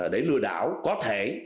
để lừa đảo có thể